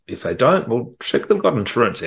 itu tidak berarti mereka